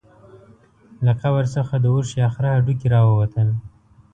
له قبر څخه د اوښ یا خره هډوکي راووتل.